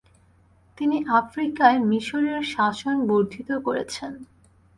তিনি আফ্রিকায় মিশরের শাসন বর্ধিত করেছেন।